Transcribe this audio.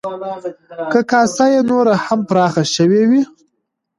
که کاسه یې نوره هم پراخه شوې وی،